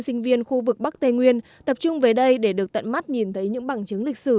sinh viên khu vực bắc tây nguyên tập trung về đây để được tận mắt nhìn thấy những bằng chứng lịch sử